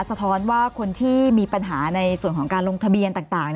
สะท้อนว่าคนที่มีปัญหาในส่วนของการลงทะเบียนต่าง